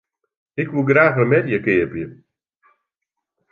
Ik woe graach in merje keapje.